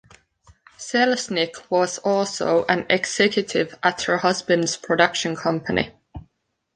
Selznick was also an executive at her husband's production company.